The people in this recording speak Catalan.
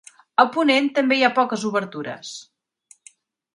A ponent també hi ha poques obertures.